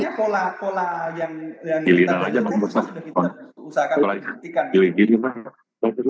artinya pola pola yang kita hadirkan itu sudah kita usahakan untuk diperhatikan